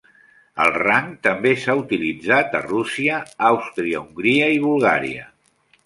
El rang també s'ha utilitzat a Rússia, Àustria-Hongria i Bulgària.